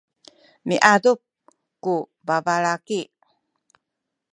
miadup ku babalaki.